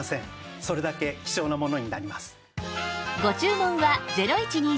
それだけ希少なものになります。